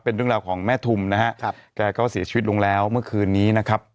เป็นเรื่องราวของแม่ทุมนะฮะครับแกก็เสียชีวิตลงแล้วเมื่อคืนนี้นะครับ